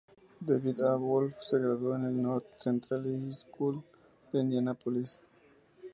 David A. Wolf se graduó en el North Central High School de Indianápolis.